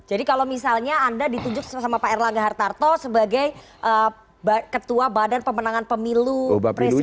jadi kalau misalnya anda ditunjuk sama pak erlangga hartarto sebagai ketua badan pemenangan pemilu presiden partai golkar